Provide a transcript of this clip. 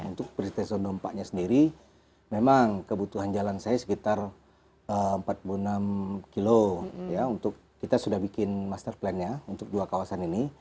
untuk peristiwa empat nya sendiri memang kebutuhan jalan saya sekitar empat puluh enam kilo untuk kita sudah bikin master plan nya untuk dua kawasan ini